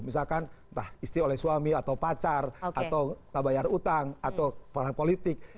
misalkan entah istri oleh suami atau pacar atau entah bayar utang atau perang politik